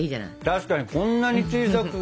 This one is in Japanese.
確かにこんなに小さいのにさ